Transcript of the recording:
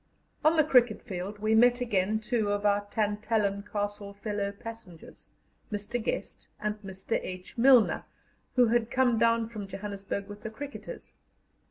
On the cricket field we met again two of our Tantallon Castle fellow passengers, Mr. Guest and Mr. H. Milner, who had come down from Johannesburg with the cricketers.